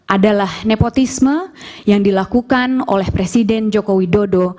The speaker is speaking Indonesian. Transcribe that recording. adalah nepotisme yang dilakukan oleh presiden joko widodo